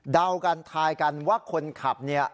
เดากันทายกันว่าคนขับเนี่ย